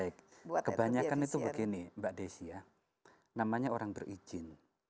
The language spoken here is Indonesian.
baik kebanyakan itu begini mbak desi ya namanya orang berizin